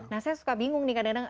nah saya suka bingung nih kadang kadang